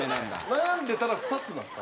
悩んでたら２つになった？